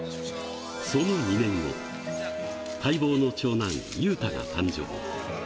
その２年後、待望の長男、裕太が誕生。